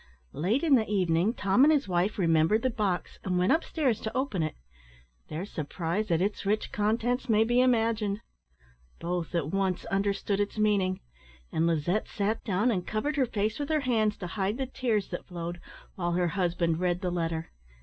Late in the evening, Tom and his wife remembered the box, and went up stairs to open it. Their surprise at its rich contents may be imagined. Both at once understood its meaning; and Lizette sat down, and covered her face with her hands, to hide the tears that flowed, while her husband read the letter.